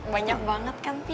banyak banget kan pi